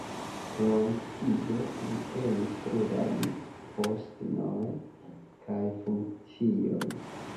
Krom tio li tenis plurajn postenojn kaj funkciojn.